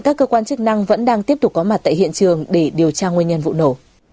các cơ quan chức năng vẫn đang tiếp tục có mặt tại hiện trường để điều tra nguyên nhân vụ nổ